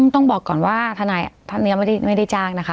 ต้องบอกก่อนว่าท่านายไม่ได้จ้างนะคะ